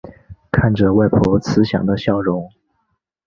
看着外婆慈祥的笑容